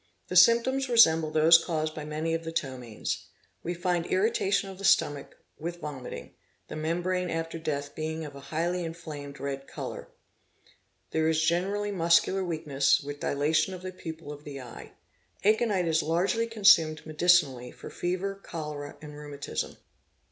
The symptoms resemble those caused by many of the ptomaines. We find irritation of the stomach with — vomiting, the membrane after death being of a highly inflamed red — colour. There is great muscular weakness, with dilation of the pupil of — the eye. Aconite is largely consumed medicinally for fever, cholera, and rheumatism.